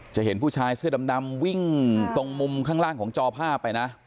เห็นผู้ชายเสื้อดำวิ่งตรงมุมข้างล่างของจอภาพไปนะ